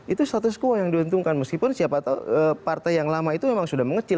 itu status quo yang diuntungkan meskipun siapa tahu partai yang lama itu memang sudah mengecil